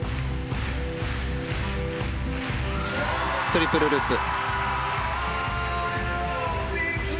トリプルループ。